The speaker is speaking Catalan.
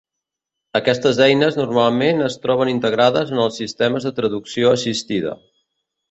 Aquestes eines normalment es troben integrades en els sistemes de traducció assistida.